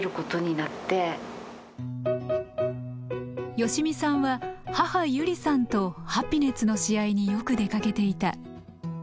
善美さんは母ユリさんとハピネッツの試合によく出かけていた。